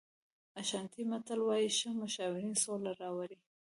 اشانټي متل وایي ښه مشاورین سوله راوړي.